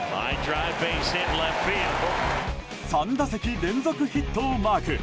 ３打席連続ヒットをマーク。